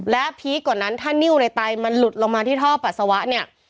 และพีคกว่านั้นถ้านิ้วในไตมันหลุดลงมาที่ท่อปัสสาวะเนี่ย